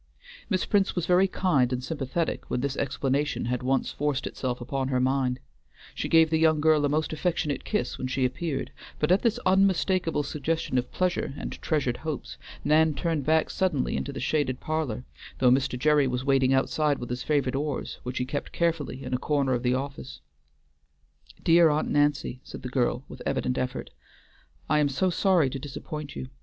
Miss Prince was very kind and sympathetic when this explanation had once forced itself upon her mind; she gave the young girl a most affectionate kiss when she appeared, but at this unmistakable suggestion of pleasure and treasured hopes, Nan turned back suddenly into the shaded parlor, though Mr. Gerry was waiting outside with his favorite oars, which he kept carefully in a corner of the office. "Dear Aunt Nancy," said the girl, with evident effort, "I am so sorry to disappoint you.